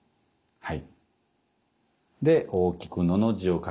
はい。